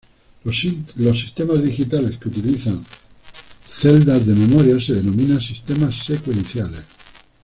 Los sistemas digitales que utilizan celdas de memoria se denominan sistemas secuenciales.